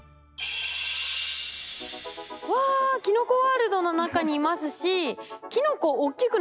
キノコワールドの中にいますしそう。